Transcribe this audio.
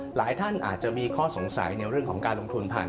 หลายท่านอาจจะมีข้อสงสัยในเรื่องของการลงทุนผ่าน